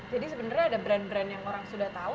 jadi sebenarnya ada brand brand yang orang sudah tahu